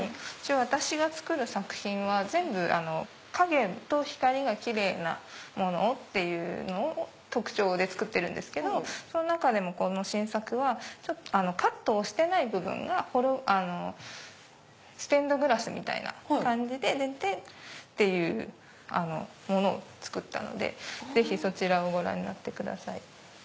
私が作る作品は全部影と光がキレイなものというのを特徴で作ってるんですけどその中でもこの新作はカットをしてない部分がステンドグラスみたいな感じでというものを作ったのでぜひそちらをご覧になってください。